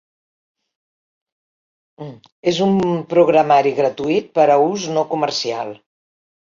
És un programari gratuït per a ús no comercial.